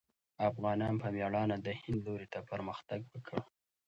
افغانانو په مېړانه د هند لوري ته پرمختګ وکړ.